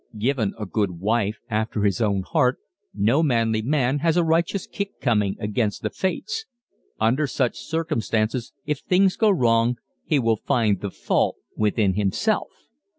Given a good wife, after his own heart, no manly man has a righteous kick coming against the fates. Under such circumstances if things go wrong he will find the fault within himself.